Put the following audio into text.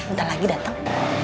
ntar lagi dateng